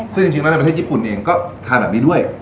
ซึ่งจริงแล้วในประเทศญี่ปุ่นเองก็ทานแบบนี้ด้วย